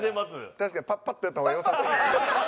確かにパッパッてやった方がよさそう。